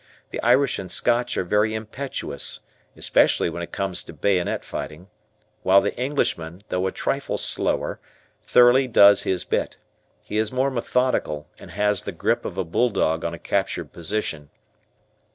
The Irish and Scotch are very impetuous, especially when it comes to bayonet fighting, while the Englishman, though a trifle slower, thoroughly does his bit; he is more methodical and has the grip of a bulldog on a captured position.